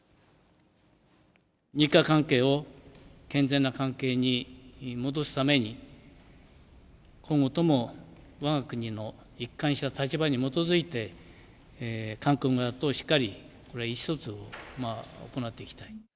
日韓関係を健全な関係に戻すために、今後ともわが国の一貫した立場に基づいて、韓国側としっかり意思疎通を行っていきたい。